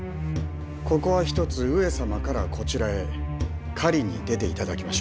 ここはひとつ上様からこちらへ狩りに出て頂きましょう。